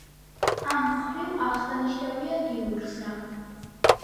ამ მხრივ აღსანიშნავია გიურზა.